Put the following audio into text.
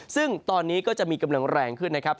ซึ่งตอนนี้ก็จะมีกำลังแรงขึ้นนะครับ